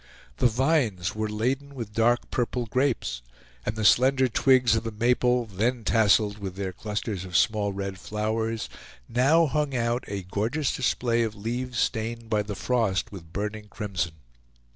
The vines were laden with dark purple grapes, and the slender twigs of the maple, then tasseled with their clusters of small red flowers, now hung out a gorgeous display of leaves stained by the frost with burning crimson.